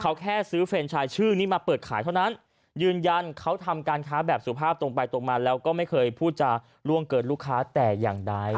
เขาแค่ซื้อเฟรนชายชื่อนี้มาเปิดขายเท่านั้นยืนยันเขาทำการค้าแบบสุภาพตรงไปตรงมาแล้วก็ไม่เคยพูดจะล่วงเกินลูกค้าแต่อย่างใด